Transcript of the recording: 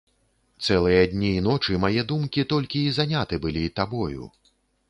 Цэлыя дні і ночы мае думкі толькі і заняты былі табою.